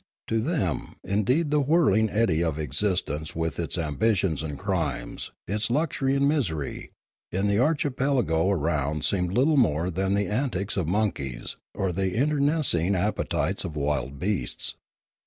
To them, indeed, the whirling eddy of existence with its ambitions and crimes, its luxury and misery, in the archipelago around seemed little more than the antics of monkeys or the internecine appetites of wild beasts.